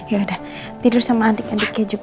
ya udah tidur sama adik adiknya juga ya